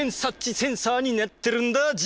センサーになってるんだＧ。